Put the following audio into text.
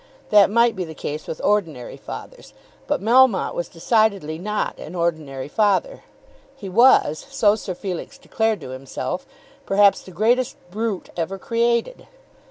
That might be the case with ordinary fathers. But Melmotte was decidedly not an ordinary father. He was, so Sir Felix declared to himself, perhaps the greatest brute ever created.